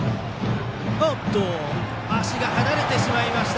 足が離れてしまいました。